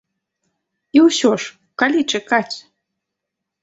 І ўсё ж, калі чакаць?